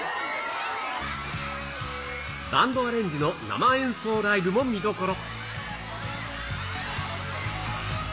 バンドアレンジの生演奏ライブも見どころ。